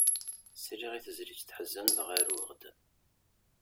Sliɣ i tezlit teḥzen dɣa ruɣ-d.